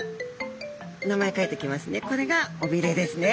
名前書いときますね。